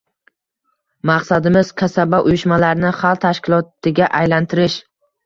Maqsadimiz – kasaba uyushmalarini xalq tashkilotiga aylantirish